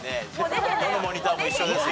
どのモニターも一緒ですよ。